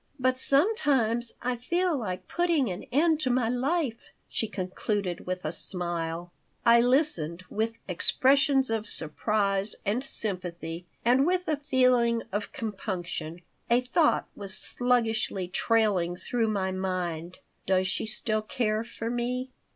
But sometimes I feel like putting an end to my life," she concluded, with a smile I listened with expressions of surprise and sympathy and with a feeling of compunction. A thought was sluggishly trailing through my mind: "Does she still care for me?"